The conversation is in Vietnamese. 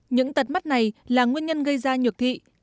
những tật mắt này là nguyên nhân gây ra nhược thị